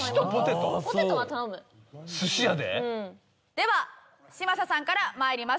では嶋佐さんから参ります。